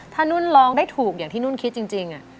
ถ้านุ่นร้องได้ถูกอย่างที่นุ่นคิดจริง